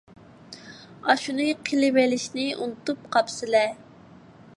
ئاشۇنى قىلىۋېلىشنى ئۇنتۇپ قاپسىلە!